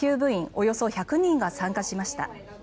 およそ１００人が参加しました。